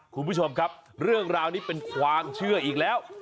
คุณผู้ชมครับเรื่องราวนี้เป็นความเชื่ออีกแล้ว